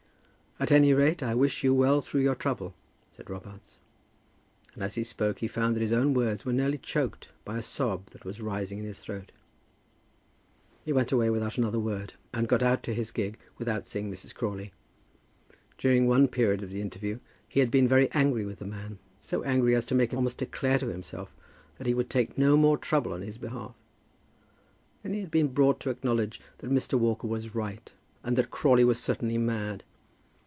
"At any rate I wish you well through your trouble," said Robarts; and as he spoke he found that his own words were nearly choked by a sob that was rising in his throat. He went away without another word, and got out to his gig without seeing Mrs. Crawley. During one period of the interview he had been very angry with the man, so angry as to make him almost declare to himself that he would take no more trouble on his behalf. Then he had been brought to acknowledge that Mr. Walker was right, and that Crawley was certainly mad.